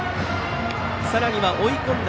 さらに、追い込んだ